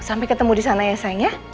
sampai ketemu di sana ya sayang ya